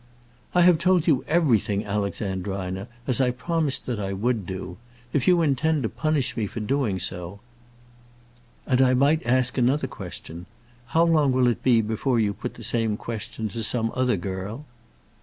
"I have told you everything, Alexandrina, as I promised that I would do. If you intend to punish me for doing so " "And I might ask another question. How long will it be before you put the same question to some other girl?"